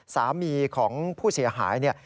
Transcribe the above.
สามีของผู้เสียหาย